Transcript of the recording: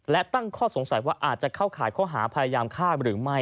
และตั้งข้อสงสัยว่าอาจจะเข้าข่ายข้อหาพยายามฆ่าหรือไม่